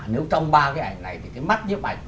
nếu trong ba cái ảnh này thì cái mắt nhấp ảnh